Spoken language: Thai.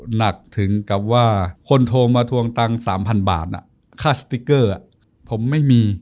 หนักถึงกับว่าคนโทรมาทวงตังค์๓๐๐บาทค่าสติ๊กเกอร์ผมไม่มี